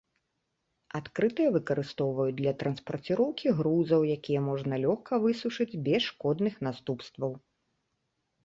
Адкрытыя выкарыстоўваюць для транспарціроўкі грузаў, якія можна лёгка высушыць без шкодных наступстваў.